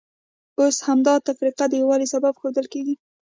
اوس همدا تفرقه د یووالي سبب ښودل کېږي.